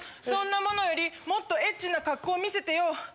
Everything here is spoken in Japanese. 「そんなものよりもっとエッチな格好見せてよ」。